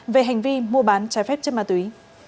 về hành vi mua bán trái phép chất ma túy